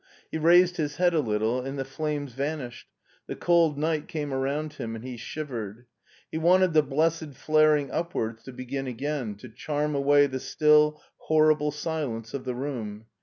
He raised his head a little and the flames vanished, th^old night came around him and he shiv* ered. He wanted the blessed flaring upwards to begin again, to charm away the still, horrible silence of the room.